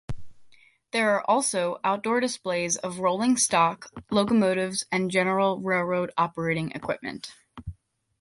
There are also outdoor displays of rolling stock, locomotives and general railroad operating equipment.